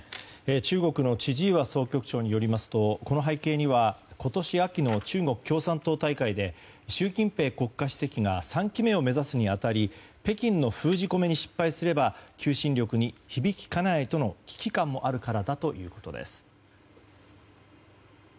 中国の千々岩総局長によりますとこの背景には今年秋の中国共産党大会で習近平国家主席が３期目を目指すに当たり北京の封じ込めに失敗すれば求心力に響きかねないとの危機感もあるからだということです。